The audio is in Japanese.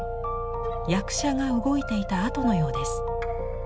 役者が動いていた跡のようです。